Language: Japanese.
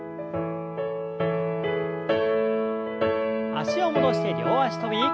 脚を戻して両脚跳び。